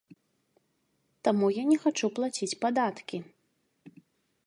Таму я не хачу плаціць падаткі.